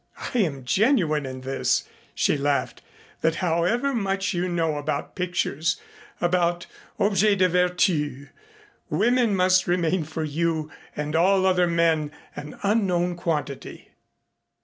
"I am genuine in this," she laughed, "that however much you know about pictures, about objets de vertu women must remain for you and for all other men an unknown quantity."